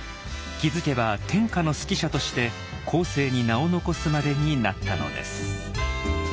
気付けば天下の数寄者として後世に名を残すまでになったのです。